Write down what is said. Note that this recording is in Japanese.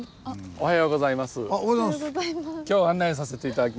おはようございます。